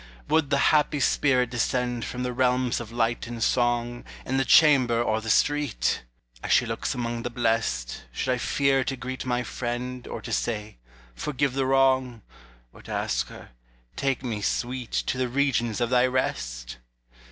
Would the happy spirit descend From the realms of light and song, In the chamber or the street. As she looks among the blest, Should I fear to greet my friend Or to say "Forgive the wrong," Or to ask her, "Take me, sweet, To the regions of thy rest?"